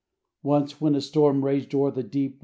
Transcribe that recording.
Once, when a storm raged o'er the deep.